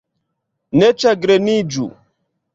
Ne ĉagreniĝu.